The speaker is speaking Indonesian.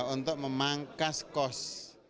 untuk memangkas kos